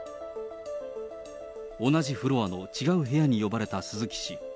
同じフロアの違う部屋に呼ばれた鈴木氏。